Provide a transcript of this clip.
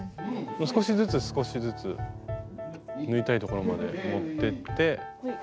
少しずつ少しずつ。縫いたい所まで持ってって。